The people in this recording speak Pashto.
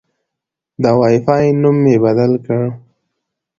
د وای فای نوم مې بدل کړ.